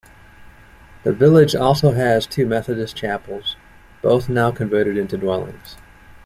The village also has two Methodist chapels, both now converted into dwellings.